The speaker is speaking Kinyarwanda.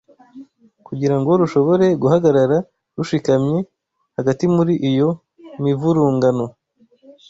Kugira ngo rushobore guhagarara rushikamye hagati muri iyo mivurungano